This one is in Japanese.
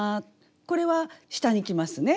これは下に来ますね。